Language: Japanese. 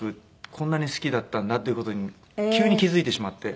こんなに好きだったんだっていう事に急に気付いてしまって。